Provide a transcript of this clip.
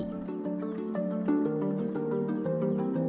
menyelenggarakan wakil perasaan